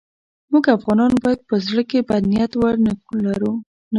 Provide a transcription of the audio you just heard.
موږ افغانان باید په زړه کې بد نیت ورنه کړو.